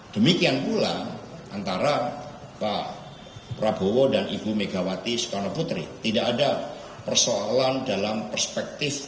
demikian pula antara pak prabowo dan ibu megawati sukarno putri tidak ada persoalan dalam perspektif